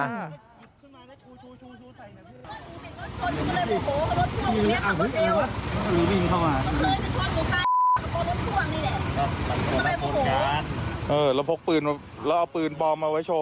แล้วพกปืนมาแล้วเอาปืนปลอมมาไว้โชว์